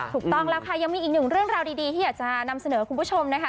ถูกต้องแล้วค่ะยังมีอีกหนึ่งเรื่องราวดีที่อยากจะนำเสนอคุณผู้ชมนะคะ